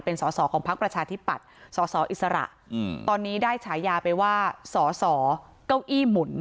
เป็นสอสอของพักประชาธิปัตย์สอสออิสระตอนนี้ได้ฉายาไปว่าสอสอเก้าอี้หมุน